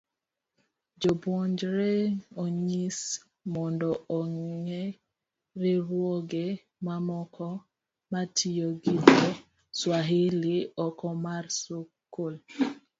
jopuonjre onyis mondo ong'e riwruoge mamoko matiyo gi dho Swahili oko mar skul.